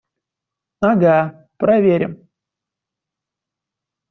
Ага, проверим!